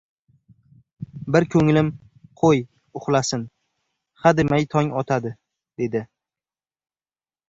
Bir ko‘nglim — qo‘y, uxlasin, hademay tong otadi, dedi.